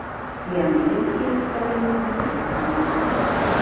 Яны няўхільна павінны быць выкананыя.